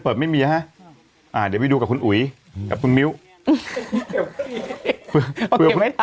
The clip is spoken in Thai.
อ๋อเปิดไม่มีนะฮะอ่าเดี๋ยวไปดูกับคุณอุ๋ยกับคุณมิ้วเอาเก็บไม่ทัน